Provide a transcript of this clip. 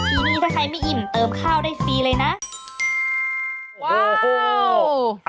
ทีนี้ถ้าใครไม่อิ่มเติมข้าวได้ฟรีเลยนะว้าว